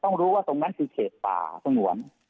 รู้ว่าตรงนั้นคือเขตป่าสงวน